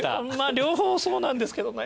両方そうなんですけどね